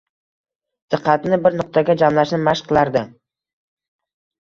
diqqatini bir nuqtaga jamlashni mashq qilardi.